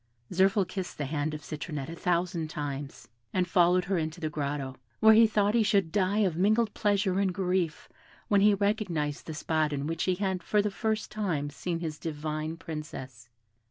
Zirphil kissed the hand of Citronette a thousand times, and followed her into her grotto, where he thought he should die of mingled pleasure and grief when he recognised the spot in which he had for the first time seen his divine Princess.